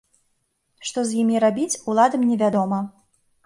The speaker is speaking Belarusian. Што з імі рабіць, уладам не вядома.